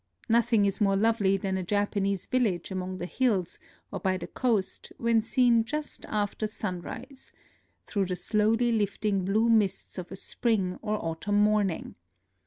Nothing is more lovely than a Japanese village among the hills or by the coast when seen just after sunrise, — through the slowly lifting blue mists of a spring or autumn morning.